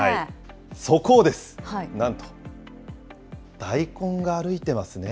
そこをです、なんと、大根が歩いてますね。